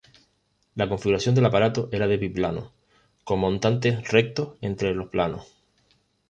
La configuración del aparato era de biplano, con montantes rectos entre los planos.